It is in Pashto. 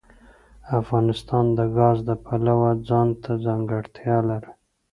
افغانستان د ګاز د پلوه ځانته ځانګړتیا لري.